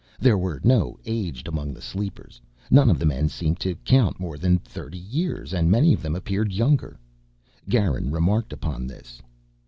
There were no aged among the sleepers. None of the men seemed to count more than thirty years and many of them appeared younger. Garin remarked upon this.